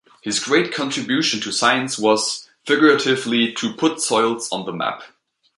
His great contribution to science was, figuratively, to "put soils on the map".